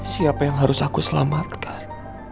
siapa yang harus aku selamatkan